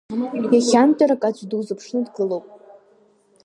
Иахьантәарак аӡә дузыԥшны дгылоуп!